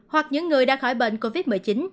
hoặc những người đã khỏi bệnh covid một mươi chín